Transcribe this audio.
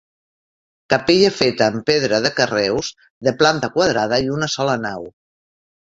Capella feta amb pedra de carreus, de planta quadrada i una sola nau.